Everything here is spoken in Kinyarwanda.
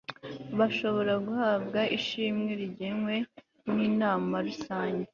bashobora guhabwa ishimwe rigenywe n'inama rusange